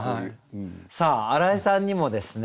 さあ荒井さんにもですね